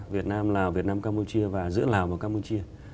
việt nam lào việt nam campuchia và giữa lào và campuchia